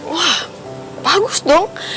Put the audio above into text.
wah bagus dong